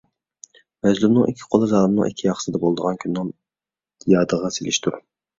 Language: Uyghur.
مەزلۇمنىڭ ئىككى قولى زالىمنىڭ ئىككى ياقىسىدا بولىدىغان كۈننى يادىغا سېلىشتۇر.